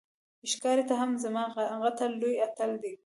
ښکاري ته هم زما قتل لوی اتل کړې